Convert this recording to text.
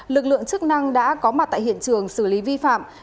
lực lượng chức năng đã có mặt tại hiện trường xử lý vi phạm